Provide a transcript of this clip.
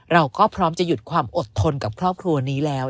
เราก็พร้อมจะหยุดความอดทนกับครอบครัวนี้แล้ว